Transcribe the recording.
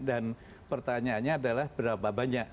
dan pertanyaannya adalah berapa banyak